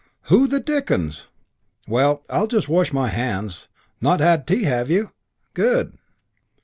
"Who the dickens ? Well, I'll just wash my hands. Not had tea, have you? Good."